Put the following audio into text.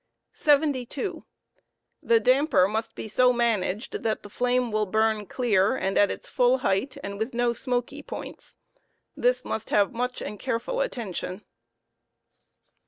"' 73. The damper must be so managed that the flame will burn clear and at its full ua*«f danprn height and with no smoky points.. This must have much and careful attention.